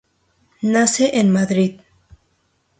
Nace en Madrid.